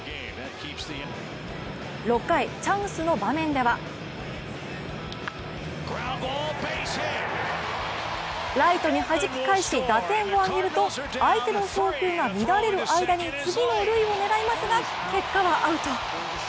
６回、チャンスの場面ではライトにはじき返し打点をあげると相手の送球が乱れる間に次の塁を狙いますが結果はアウト。